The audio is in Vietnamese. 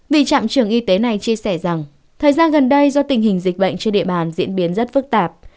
vì trạm trưởng y tế này chia sẻ rằng thời gian gần đây do tình hình dịch bệnh trên địa bàn diễn biến rất phức tạp